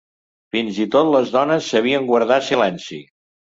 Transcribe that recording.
Fins i tot les dones sabien guardar silenci.